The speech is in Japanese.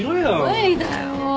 無理だよ。